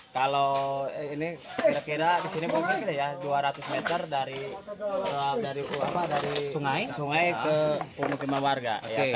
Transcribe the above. kalau ini kira kira di sini mungkin dua ratus meter dari sungai ke pemukiman warga